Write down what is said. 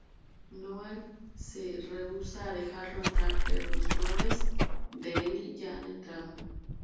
Noah se rehúsa a dejarlo entrar, pero los clones de Eli ya han entrado.